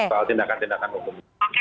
soal tindakan tindakan hukum